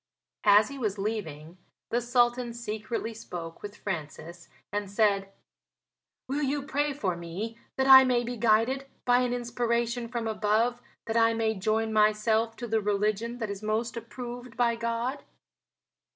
As he was leaving the Sultan secretly spoke with Francis and said: "Will you pray for me that I may be guided by an inspiration from above that I may join myself to the religion that is most approved by God?"